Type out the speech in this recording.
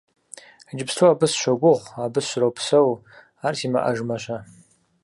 Иджыпсту абы сыщогугъ, абы сропсэу, ар симыӀэжмэ-щэ?